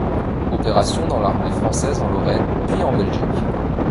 Opérations dans l'armée française en Lorraine puis en Belgique.